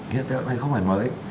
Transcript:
hiện tượng này không phải mới